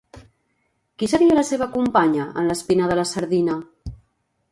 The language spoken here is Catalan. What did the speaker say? Qui seria la seva companya en L'Espina de la Sardina?